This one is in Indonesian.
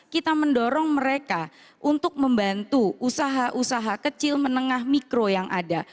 kita mendorong mereka untuk membantu usaha usaha kecil menengah mikro yang ada